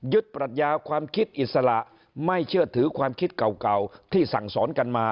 ปรัชญาความคิดอิสระไม่เชื่อถือความคิดเก่าที่สั่งสอนกันมา